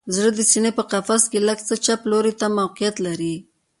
زړه د سینه په قفس کې لږ څه چپ لوري ته موقعیت لري